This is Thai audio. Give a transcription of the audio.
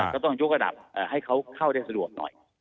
ต้องยกระดับให้เขาเข้าได้สะดวกหน่อย